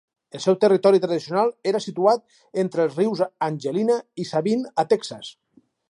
El seu territori tradicional era situat entre els rius Angelina i Sabine a Texas.